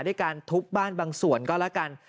ด้วยการทุบบ้านบางส่วนก็แล้วกัน